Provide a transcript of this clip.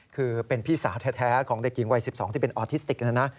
คือเป็นพี่สาวแท้ของเด็กหญิงวัย๑๒ที่เป็นออทิสติกนะนะ